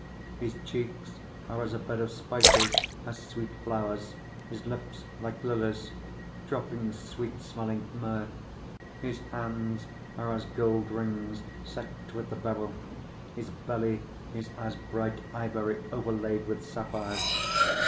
5:13 His cheeks are as a bed of spices, as sweet flowers: his lips like lilies, dropping sweet smelling myrrh. 5:14 His hands are as gold rings set with the beryl: his belly is as bright ivory overlaid with sapphires.